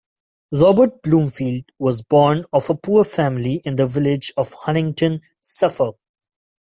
Robert Bloomfield was born of a poor family in the village of Honington, Suffolk.